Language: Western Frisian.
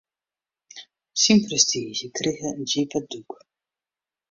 Syn prestiizje krige in djippe dûk.